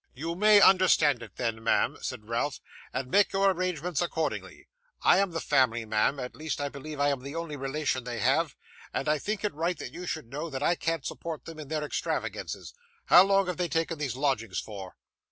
'You may understand it then, ma'am,' said Ralph, 'and make your arrangements accordingly. I am the family, ma'am at least, I believe I am the only relation they have, and I think it right that you should know I can't support them in their extravagances. How long have they taken these lodgings for?